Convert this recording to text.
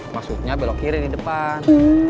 masuknya belok kiri di depan